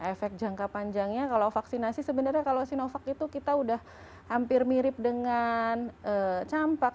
efek jangka panjangnya kalau vaksinasi sebenarnya kalau sinovac itu kita udah hampir mirip dengan campak